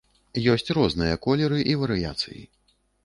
Ёсць розныя колеры і варыяцыі.